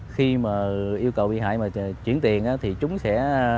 khi mà yêu cầu bị hại mà chuyển tiền thì chúng sẽ